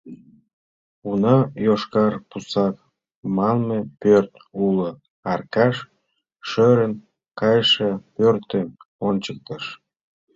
— Уна, «йошкар пусак» манме пӧрт уло, — Аркаш шӧрын кайыше пӧртым ончыктыш.